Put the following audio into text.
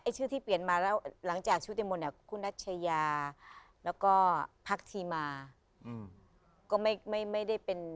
ชื่อที่เปลี่ยนมาแล้วหลังจากชุติมนต์เนี่ยคุณนัชยาแล้วก็พักธีมาก็ไม่ไม่ได้เป็น